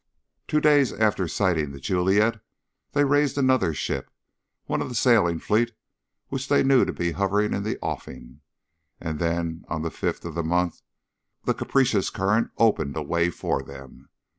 Two days after sighting The Juliet they raised another ship, one of the sailing fleet which they knew to be hovering in the offing, and then on the fifth of the month the capricious current opened a way for them.